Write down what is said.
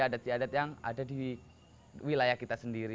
adat adat yang ada di wilayah kita sendiri